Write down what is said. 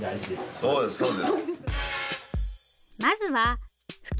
そうですね。